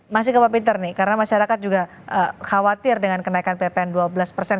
masih ke pak pintar nih karena masyarakat juga khawatir dengan kenaikan ppn dua belas persen